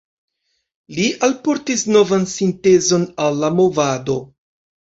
Li alportis novan sintezon al la movado.